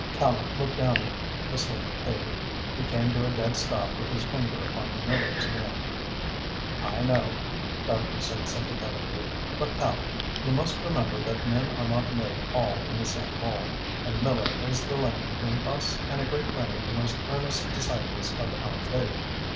Tallente looked down the slip of paper. He came to a dead stop with his finger upon Miller's name. "I know," Dartrey said sympathetically, "but, Tallente, you must remember that men are not made all in the same mould, and Miller is the link between us and a great many of the most earnest disciples of our faith.